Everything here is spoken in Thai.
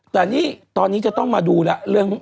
แต่นี่ตอนนี้จะต้องมาดูแล้วเรื่อง